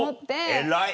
偉い！